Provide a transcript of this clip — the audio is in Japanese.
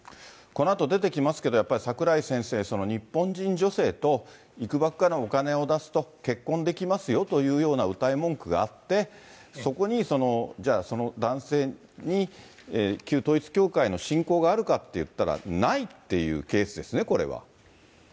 このあと出てきますけど、やっぱり櫻井先生、日本人女性と、いくばくかのお金を出すと結婚できますよというようなうたい文句があって、そこに、じゃあ、その男性に旧統一教会の信仰があるかっていったら、ないっていうそうですね。